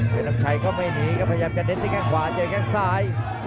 เฮลังชัยก็ไม่หนีก็พยายามจะเด็ดที่กลางขวาเจอแก้งซ้าย